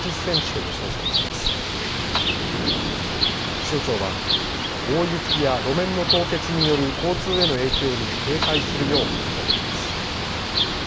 気象庁は大雪や路面の凍結による交通への影響に警戒するよう呼びかけています。